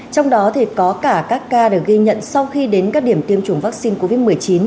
trong đó có cả các ca được ghi nhận sau khi đến các điểm tiêm chủng vaccine covid một mươi chín